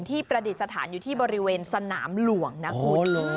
ประดิษฐานอยู่ที่บริเวณสนามหลวงนะคุณ